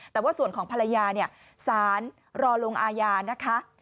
แต่ว่าส่วนของภรรยาเนี่ยสารรอลงอาญานะคะ